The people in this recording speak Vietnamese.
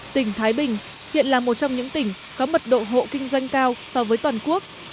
tỉnh thái bình hiện là một trong những tỉnh có mật độ hộ kinh doanh cao so với toàn quốc